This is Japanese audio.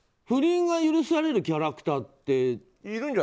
不倫が許されるキャラクターって。